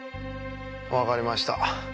わかりました。